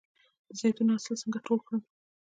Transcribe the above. د زیتون حاصل څنګه ټول کړم؟